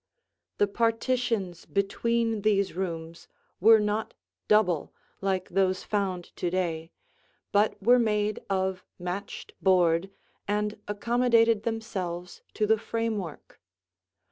The partitions between these rooms were not double, like those found to day, but were made of matched board and accommodated themselves to the framework.